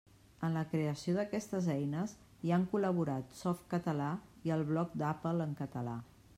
En la creació d'aquestes eines hi han col·laborat Softcatalà i el Bloc d'Apple en català.